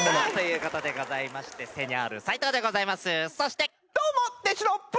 さあということでございまして今日はね